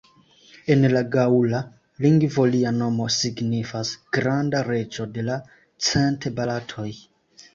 En la gaŭla lingvo lia nomo signifas "granda reĝo de la cent bataloj".